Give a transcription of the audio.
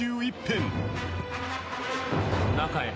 中へ。